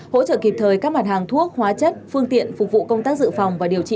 hỗ trợ kịp thời các mặt hàng thuốc hóa chất phương tiện phục vụ công tác dự phòng và điều trị